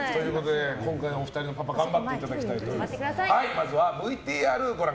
今回、お二人のパパ頑張っていただきたいと思います。